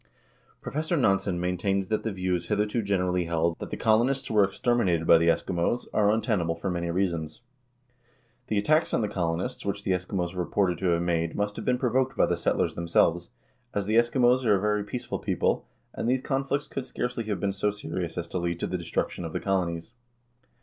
Professor Nansen maintains that the views hitherto gen erally held, that the colonists were exterminated by the Eskimos, are untenable for many reasons. The attacks on the colonists which the Eskimos are reported to have made must have been provoked by the settlers themselves, as the Eskimos are a very peaceful people, and these conflicts could scarcely have been so serious as to lead to the destruction of the colonies.